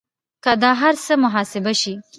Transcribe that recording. که دا هر څه محاسبه شي